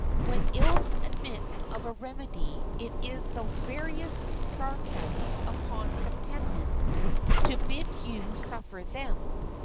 When ills admit of a remedy it is the veriest sarcasm upon contentment to bid you suffer them.